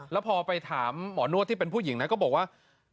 แล้วพอไปถามหมอนวดที่เป็นผู้หญิงนะก็บอกว่า